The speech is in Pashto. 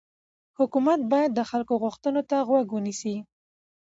حکومت باید د خلکو غوښتنو ته غوږ ونیسي